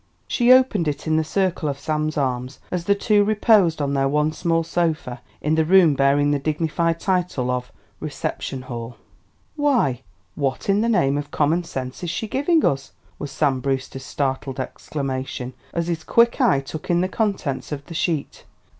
She opened it in the circle of Sam's arms, as the two reposed on their one small sofa in the room bearing the dignified title of reception hall. "Why what in the name of common sense is she giving us?" was Sam Brewster's startled exclamation as his quick eye took in the contents of the sheet.